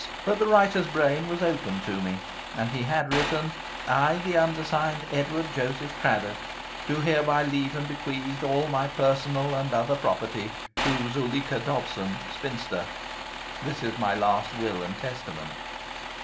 But the writer's brain was open to me; and he had written "I, the undersigned Edward Joseph Craddock, do hereby leave and bequeath all my personal and other property to Zuleika Dobson, spinster. This is my last will and testament."